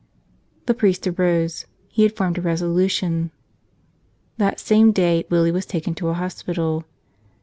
The priest arose. He had formed a resolution. That same day Willie was taken to a hospital.